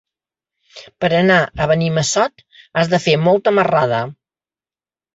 Per anar a Benimassot has de fer molta marrada.